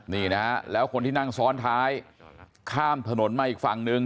นี่นะฮะแล้วคนที่นั่งซ้อนท้ายข้ามถนนมาอีกฝั่งหนึ่ง